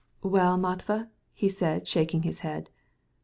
"Eh, Matvey?" he said, shaking his head.